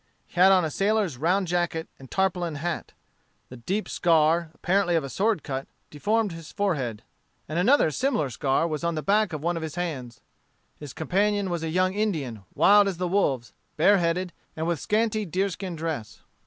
He had on a sailor's round jacket and tarpaulin hat. The deep scar, apparently of a sword cut, deformed his forehead, and another similar scar was on the back of one of his hands. His companion was a young Indian, wild as the wolves, bareheaded, and with scanty deerskin dress.